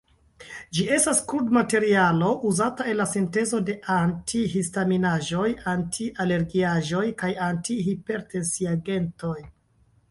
Ĝi estas krudmaterialo uzata en la sintezo de anti-histaminaĵoj, anti-alergiaĵoj kaj anti-hipertensiagentoj.